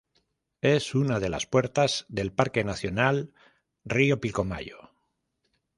Es una de las puertas del Parque nacional Río Pilcomayo.